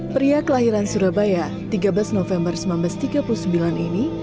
pria kelahiran surabaya tiga belas november seribu sembilan ratus tiga puluh sembilan ini